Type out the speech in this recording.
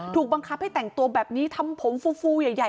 ถูกบังคับให้แต่งตัวแบบนี้ทำผมฟูใหญ่